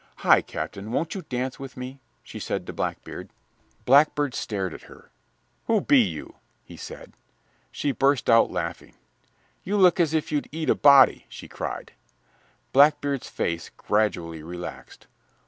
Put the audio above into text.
"Hi, Captain, won't you dance with me?" she said to Blackbeard. Blackbeard stared at her. "Who be you?" he said. She burst out laughing. "You look as if you'd eat a body," she cried. Blackbeard's face gradually relaxed.